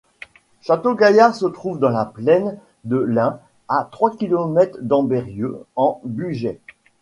Château-Gaillard se trouve dans la plaine de l'Ain à trois kilomètres d'Ambérieu-en-Bugey.